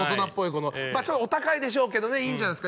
このちょっとお高いでしょうけどねいいんじゃないですか？